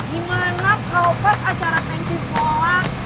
gimana kau pas acara thank you sekolah